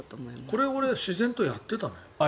これ、俺自然とやってたね。